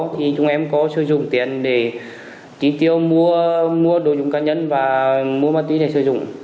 thì chúng em có sử dụng tiền để tiêu mua đồ dùng cá nhân và mua máy tí để sử dụng